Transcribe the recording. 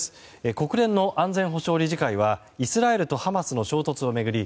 国連の安全保障理事会はイスラエルとハマスの衝突を巡り